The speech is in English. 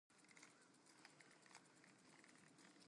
His Irish seat was Rostellan, near Cork.